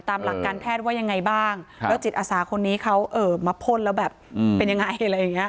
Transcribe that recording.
ตามหลักการแพทย์ว่ายังไงบ้างแล้วจิตอาสาคนนี้เขาเอ่อมาพ่นแล้วแบบเป็นยังไง